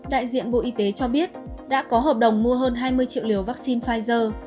đại diện bộ y tế cho biết đã có hợp đồng mua hơn hai mươi triệu liều vaccine pfizer